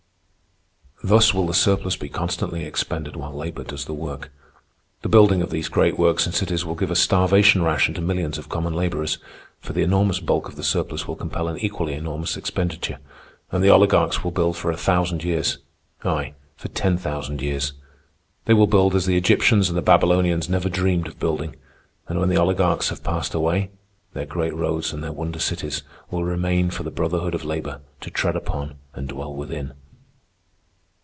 "Thus will the surplus be constantly expended while labor does the work. The building of these great works and cities will give a starvation ration to millions of common laborers, for the enormous bulk of the surplus will compel an equally enormous expenditure, and the oligarchs will build for a thousand years—ay, for ten thousand years. They will build as the Egyptians and the Babylonians never dreamed of building; and when the oligarchs have passed away, their great roads and their wonder cities will remain for the brotherhood of labor to tread upon and dwell within.